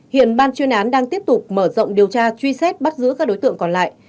hiện ban chuyên án đang tiếp tục mở rộng điều tra truy xét bắt giữ các đối tượng còn lại